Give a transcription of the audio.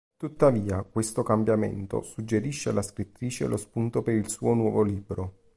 Tuttavia questo cambiamento suggerisce alla scrittrice lo spunto per il suo nuovo libro.